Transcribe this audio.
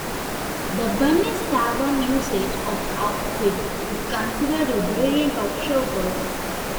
The Bunny's Tavern usage of the outfit is considered a variant of Showgirl.